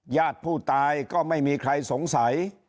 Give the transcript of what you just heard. ญาติผู้ตายก็ไม่มีใครสงสัย